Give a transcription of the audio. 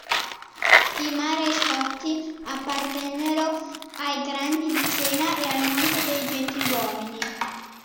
I Marescotti appartennero ai Grandi di Siena e al Monte dei Gentiluomini.